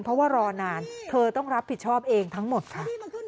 เพราะว่ารอนานเธอต้องรับผิดชอบเองทั้งหมดค่ะ